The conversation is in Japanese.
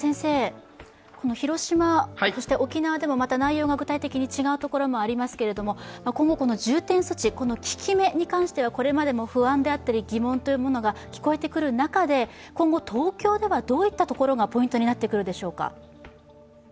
広島、沖縄でもまた内容が具体的に違うところもありますけれども、今後、この重点措置の効き目はこれまでも不安や疑問が聞こえてくる中で今後東京ではどういうところがポイントになってくるでしょうか。